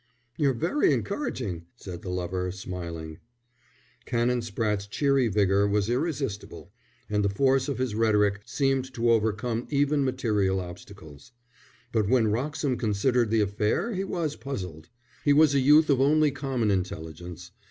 "You're very encouraging," said the lover, smiling. Canon Spratte's cheery vigour was irresistible, and the force of his rhetoric seemed to overcome even material obstacles. But when Wroxham considered the affair he was puzzled. He was a youth of only common intelligence.